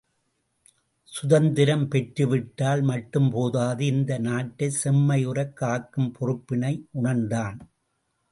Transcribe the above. சுதந்திரம் பெற்று விட்டால் மட்டும் போதாது இந்த நாட்டைச் செம்மையுறக் காக்கும் பொறுப்பினை உணர்ந்தான்.